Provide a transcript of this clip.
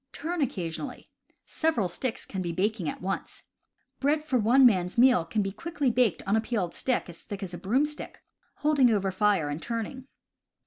Turn occasionally. Sev eral sticks can be baking at once. Bread for one man's meal can be quickly baked on a peeled stick as thick as a broomstick, holding over fire and turning.